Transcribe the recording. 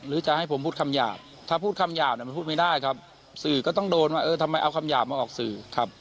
จะให้ผมพูดคำหยาบถ้าพูดคำหยาบมันพูดไม่ได้ครับสื่อก็ต้องโดนว่าเออทำไมเอาคำหยาบมาออกสื่อครับ